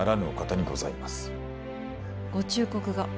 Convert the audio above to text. ご忠告が。